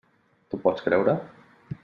T'ho pots creure?